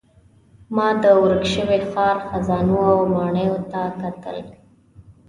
ما د ورک شوي ښار خزانو او ماڼیو ته کتل.